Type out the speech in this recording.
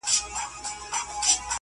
o په تېرو اوبو پسي چا يوم نه وي اخستی٫